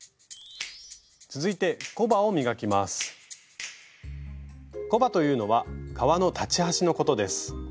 続いてコバというのは革の裁ち端のことです。